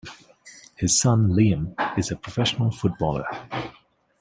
His son, Liam, is a professional footballer.